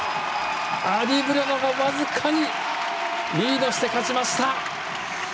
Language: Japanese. アディムリョノが僅かにリードして勝ちました。